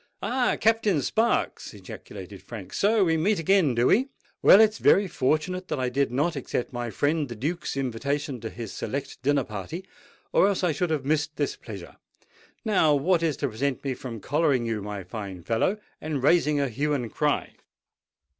"Ah! Captain Sparks!" ejaculated Frank: "so we meet again, do we? Well, it's very fortunate that I did not accept my friend the Duke's invitation to his select dinner party; or else I should have missed this pleasure. Now what is to prevent me from collaring you, my fine fellow, and raising a hue and cry?"